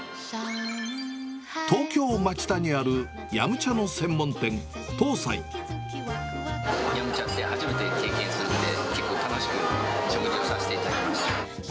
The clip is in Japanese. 東京・町田にある飲茶の専門店、飲茶って初めて経験したけど、結構楽しく食事をさせていただきました。